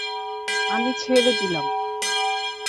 আমি ছেড়ে দিলাম।